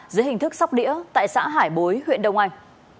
dưới hình thức sóc đĩa tại xã hải bối huyện đông anh